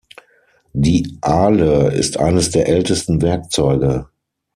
Die Ahle ist eines der ältesten Werkzeuge.